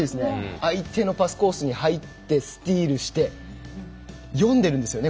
相手のパスコースに入ってスチールして読んでいるんですよね。